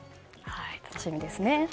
楽しみですね。